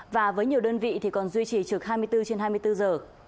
và với nhiều đơn vị thì còn duy trì trực hai mươi bốn trên hai mươi bốn giờ